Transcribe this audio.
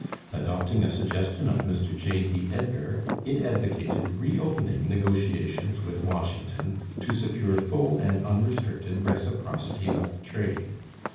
Adopting a suggestion of Mr J. D. Edgar, it advocated reopening negotiations with Washington to secure full and unrestricted reciprocity of trade.